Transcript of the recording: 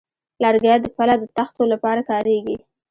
لرګی د پله د تختو لپاره کارېږي.